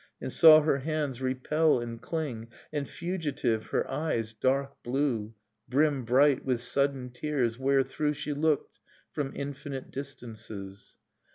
And saw her hands repel and cling, And, fugitive, her eyes, dark blue, Brim bright with sudden tears, wherethrough She looked from infinite distances.